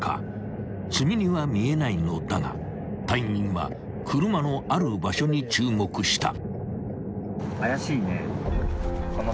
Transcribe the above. ［積み荷は見えないのだが隊員は車のある場所に注目した］